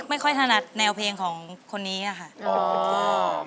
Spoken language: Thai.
ไม่ค่อยถนัดแนวเพลงของคนนี้อ่ะครับ